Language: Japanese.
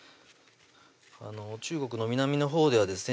中国の南のほうではですね